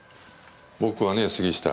僕はね杉下。